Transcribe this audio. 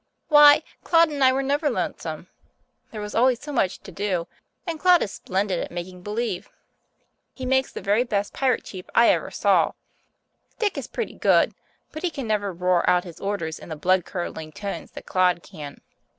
Why, Claude and I were never lonesome. There was always so much to do, and Claude is splendid at making believe. He makes the very best pirate chief I ever saw. Dick is pretty good, but he can never roar out his orders in the bloodcurdling tones that Claude can.